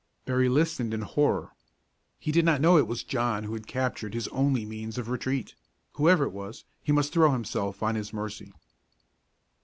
Berry listened in horror. He did not know it was John who had captured his only means of retreat; whoever it was, he must throw himself on his mercy.